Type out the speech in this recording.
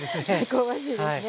香ばしいですね。